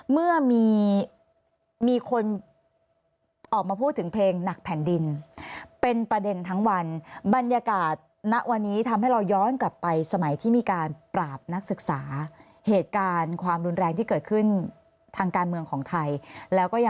เมื่อมีมีคนออกมาพูดถึงเพลงหนักแผ่นดินเป็นประเด็นทั้งวันบรรยากาศณวันนี้ทำให้เราย้อนกลับไปสมัยที่มีการปราบนักศึกษาเหตุการณ์ความรุนแรงที่เกิดขึ้นทางการเมืองของไทยแล้วก็ยัง